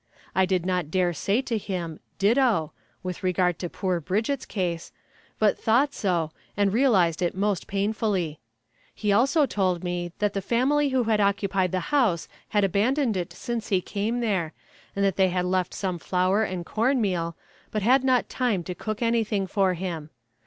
I did not dare say to him "ditto" with regard to poor "Bridget's" case but thought so, and realized it most painfully. He also told me that the family who had occupied the house had abandoned it since he came there, and that they had left some flour and corn meal, but had not time to cook anything for him.